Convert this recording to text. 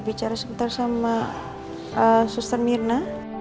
bicara sebentar sama suster mirna